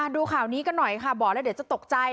ดูข่าวนี้กันหน่อยค่ะบอกแล้วเดี๋ยวจะตกใจ